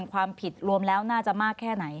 ความผิดรวมแล้วน่าจะมากแค่ไหน